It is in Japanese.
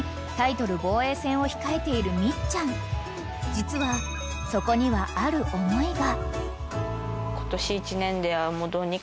［実はそこにはある思いが］